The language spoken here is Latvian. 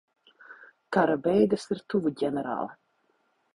Kara beigas ir tuvu, ģenerāl.